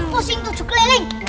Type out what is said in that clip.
pusing tujuk leleng